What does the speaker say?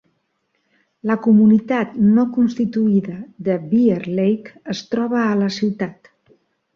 La comunitat no constituïda de Bear Lake es troba a la ciutat.